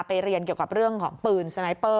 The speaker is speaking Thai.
ไปเรียนเรื่องของปืนสไนเปอร์